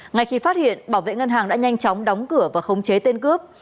ngay khi phát hiện bảo vệ ngân hàng đã nhanh chóng đóng cửa và khống chế tên cướp